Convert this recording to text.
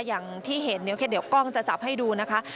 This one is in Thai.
อย่างที่เห็นเดี๋ยวกล้องจะจับให้ดูนะคะ